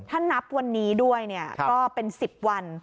ถ้านับวันนี้ด้วยก็เป็น๑๐วัน